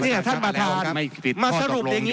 ท่านประธานครับมาสรุปอย่างนี้ได้ยังไง